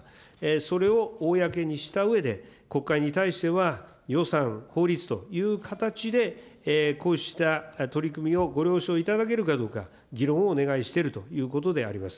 それを公にしたうえで、国会に対しては、予算、法律という形で、こうした取り組みをご了承いただけるかどうか、議論をお願いしているということであります。